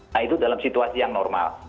nah itu dalam situasi yang normal